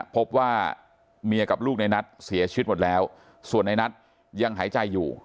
พบว่าเมียกับลูกในนัทเสียชีวิตหมดแล้วส่วนในนัทยังหายใจอยู่